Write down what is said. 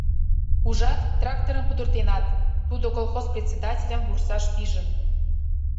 Ужат, тракторым пудыртенат! — тудо колхоз председательым вурсаш пижын.